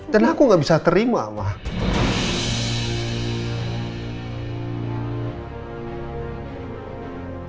dan aku gak bisa terima mak